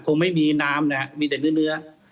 คงไม่มีน้ำนะครับมีแต่เนื้อ